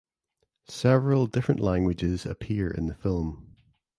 Several different languages appear in the film.